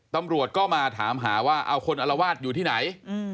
ตำรวจก็มาถามหาว่าเอาคนอลวาดอยู่ที่ไหน